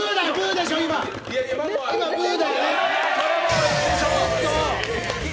今、ブーだよね？